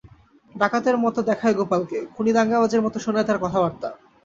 ডাকাতের মতো দেখায় গোপালকে, খুনি দাঙ্গাবাজের মতো শোনায় তার কথাবার্তা।